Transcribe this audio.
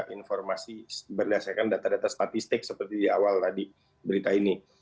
informasi berdasarkan data data statistik seperti di awal tadi berita ini